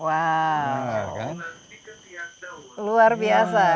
wah luar biasa